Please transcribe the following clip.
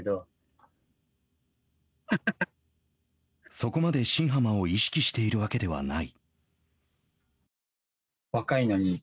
そこまで新濱を意識しているわけではない。